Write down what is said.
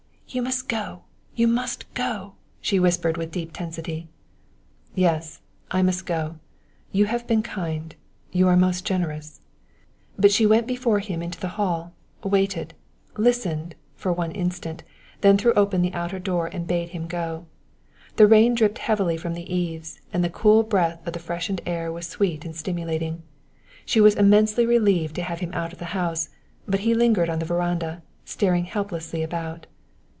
"You must go you must go!" she whispered with deep tensity. "Yes; I must go. You have been kind you are most generous " But she went before him to the hall, waited, listened, for one instant; then threw open the outer door and bade him go. The rain dripped heavily from the eaves, and the cool breath of the freshened air was sweet and stimulating. She was immensely relieved to have him out of the house, but he lingered on the veranda, staring helplessly about.